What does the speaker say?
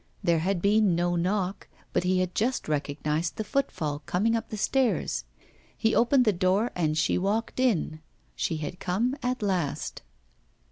There had been no knock, but he had just recognised the footfall coming up the stairs. He opened the door and she walked in. She had come at last.